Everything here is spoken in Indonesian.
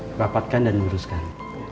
hai rapatkan dan luruskan